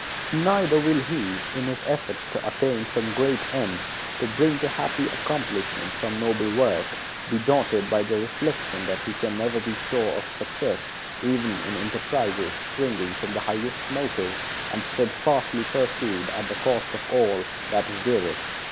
Neither will he, in his efforts to attain some great end, to bring to happy accomplishment some noble work, be daunted by the reflection that he can never be sure of success even in enterprises springing from the highest motives and steadfastly pursued at the cost of all that is dearest.